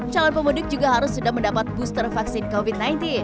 calon pemudik juga harus sudah mendapat booster vaksin covid sembilan belas